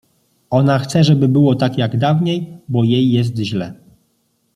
Ona chce, żeby było tak, jak dawniej, bo jej jest źle.